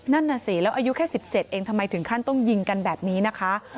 นั่นน่ะสิแล้วอายุแค่๑๗เองทำไมถึงขั้นต้องยิงกันแบบนี้นะคะ